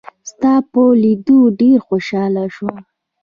ستا په لیدو ډېر خوشاله شوم.